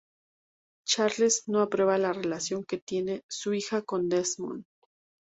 Charles no aprueba la relación que tiene su hija con Desmond.